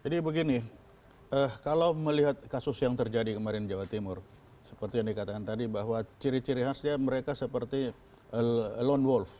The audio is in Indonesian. jadi begini kalau melihat kasus yang terjadi kemarin di jawa timur seperti yang dikatakan tadi bahwa ciri ciri khasnya mereka seperti lone wolf